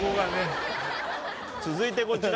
続いてこちら。